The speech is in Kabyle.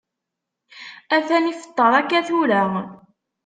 Atan ifeṭṭer akka tura.